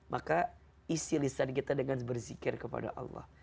maka isi lisan kita dengan berzikir kepada allah